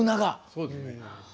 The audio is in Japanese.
そうですね。